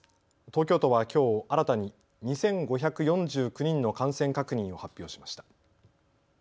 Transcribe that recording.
東京都はきょう新たに２５４９人の感染確認を発表しました。